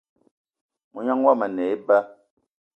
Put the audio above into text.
Mognan yomo a ne eba